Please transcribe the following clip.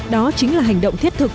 đó chính là hành động thiết thực